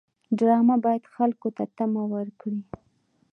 ډرامه باید خلکو ته تمه ورکړي